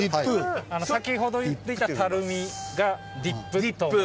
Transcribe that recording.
先ほど言っていたたるみがＤＩＰと。